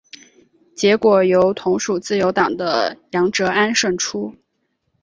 结果由同属自由党的杨哲安胜出。